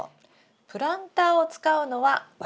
プランターを使うのは私流です。